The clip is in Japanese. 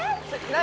何？